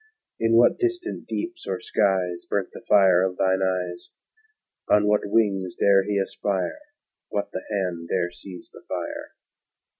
In what distant deeps or skies Burnt the fire of thine eyes? On what wings dare he aspire? What the hand dare seize the fire?